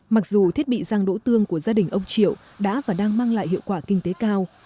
mặc dù thiết bị rang đỗ tương của gia đình ông triệu đã và đang mang lại hiệu quả kinh tế cao